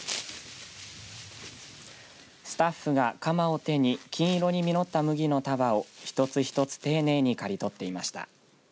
スタッフが鎌を手に金色に実った麦の束を一つ一つ丁寧に刈り取っていました。